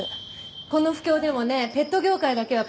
この不況でもねペット業界だけはプラス成長なの。